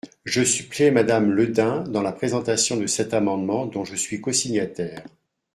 Je supplée Madame Le Dain dans la présentation de cet amendement dont je suis cosignataire.